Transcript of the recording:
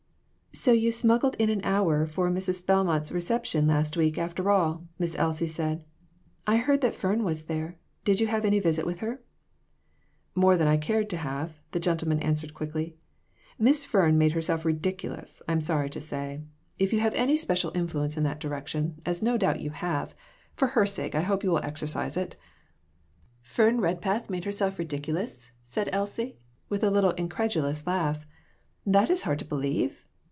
"So you smuggled in an hour for Mrs. Bel mont's reception last week, after all," Miss Elsie said. "I heard that Fern was there; did you have any visit with her ?" "More than I cared to have," the gentleman answered, quickly. " Miss Fern made herself ridiculous, I'm sorry to say ; if you have any spe 2l6 CHARACTER STUDIES. cial influence in that direction, as no doubt you have, for her sake I hope you will exercise it." "Fern Redpath make herself ridiculous!" said Elsie, with a little incredulous laugh. " That is hard to believe